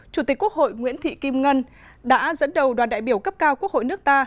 chủ tịch quốc hội nguyễn thị kim ngân đã dẫn đầu đoàn đại biểu cấp cao quốc hội nước ta